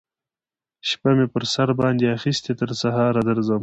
شپه می پر سر باندی اخیستې تر سهاره درځم